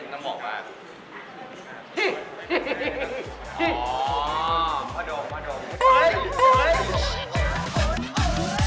ซึ่งต้องออกมา